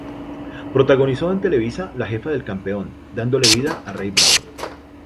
Protagonizó en Televisa "La jefa del campeón" dándole vida a Rey Bravo.